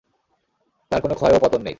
তার কোন ক্ষয় ও পতন নেই।